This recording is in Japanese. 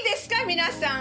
皆さん。